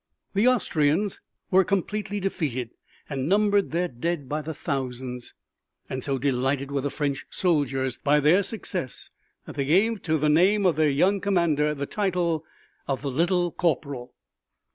The Austrians were completely defeated and numbered their dead by thousands. And so delighted were the French soldiers by their success that they gave to the name of their young commander the title of "the little corporal."